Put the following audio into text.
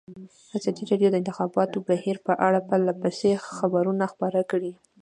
ازادي راډیو د د انتخاباتو بهیر په اړه پرله پسې خبرونه خپاره کړي.